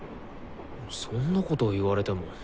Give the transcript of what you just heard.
そんなこと言われても。